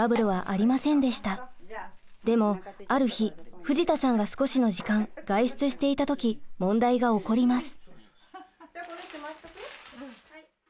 でもある日藤田さんが少しの時間外出していた時問題が起こります。